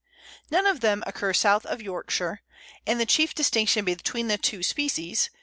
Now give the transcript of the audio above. None of them occur south of Yorkshire, and the chief distinction between the two species